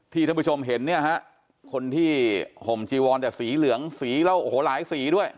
ท่านผู้ชมเห็นเนี่ยฮะคนที่ห่มจีวอนแต่สีเหลืองสีแล้วโอ้โหหลายสีด้วย